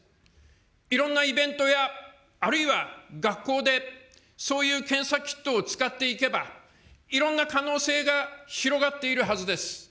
いろんなイベントやあるいは学校で、そういう検査キットを使っていけば、いろんな可能性が広がっているはずです。